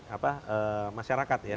apa masyarakat ya